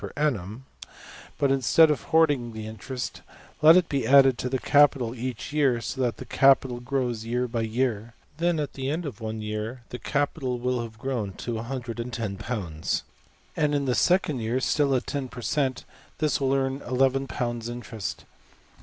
\ per~annum; but, instead of hoarding the interest, let it be added to the capital each year, so that the capital grows year by year. Then, at the end of one year, the capital will have grown to~£$110$; and in the second year (still at~$10$\%) this will earn £$11$~interest.